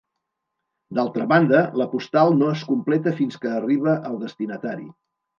D'altra banda la postal no es completa fins que arriba al destinatari.